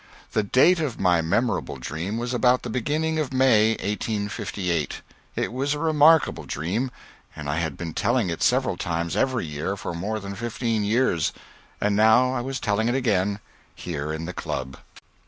The date of my memorable dream was about the beginning of May, 1858. It was a remarkable dream, and I had been telling it several times every year for more than fifteen years and now I was telling it again, here in the club.